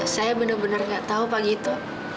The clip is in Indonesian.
saya benar benar gak tahu pak gitu